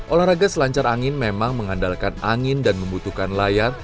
olahraga selancar angin memang mengandalkan angin dan membutuhkan layar